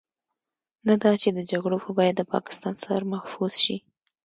نه دا چې د جګړو په بيه د پاکستان سر محفوظ شي.